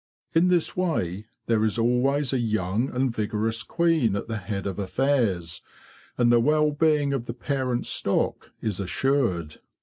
In this way there is always a young and vigorous queen at the head of affairs, and the well being of the parent stock is assured.